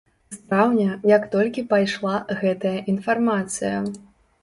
З траўня, як толькі пайшла гэтая інфармацыя.